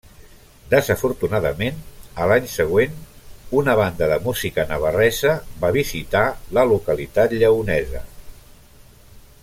Desafortunadament, a l'any següent, una banda de música navarresa va visitar la localitat lleonesa.